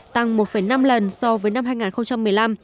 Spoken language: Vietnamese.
tăng một năm lần so với năm hai nghìn một mươi năm